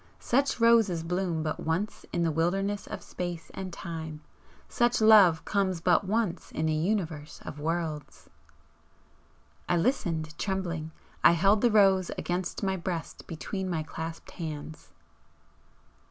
Such roses bloom but once in the wilderness of space and time; such love comes but once in a Universe of worlds!" I listened, trembling; I held the rose against my breast between my clasped hands.